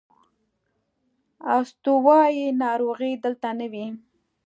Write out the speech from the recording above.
استوايي ناروغۍ دلته نه وې.